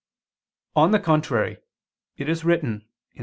On the contrary, It is written (Ps.